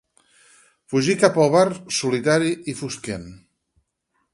Fugí cap al bar, solitari i fosquent.